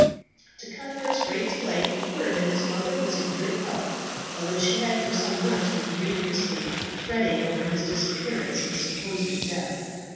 To Cuthbert's great delight he heard that his mother was in good health, although she had for some months been grievously fretting over his disappearance and supposed death.